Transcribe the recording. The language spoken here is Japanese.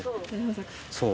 そう。